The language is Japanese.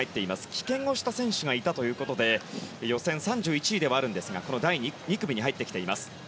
棄権をした選手がいたということで予選３１位ではあるんですが第２組に入ってきています。